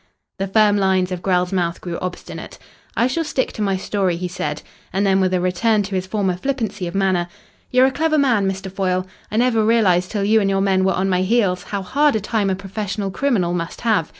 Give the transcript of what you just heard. The firm lines of Grell's mouth grew obstinate. "I shall stick to my story," he said. And then, with a return to his former flippancy of manner, "You're a clever man, Mr. Foyle. I never realised till you and your men were on my heels how hard a time a professional criminal must have.